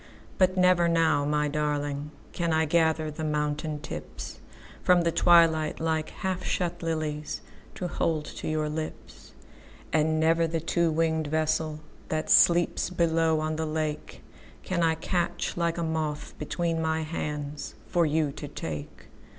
But never now, my darlingCan I gather the mountain tipsFrom the twilight like half shut liliesTo hold to your lips. And never the two winged vesselThat sleeps below on the lakeCan I catch like a moth between my handsFor you to take.